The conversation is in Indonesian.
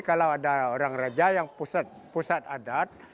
kalau ada orang raja yang pusat adat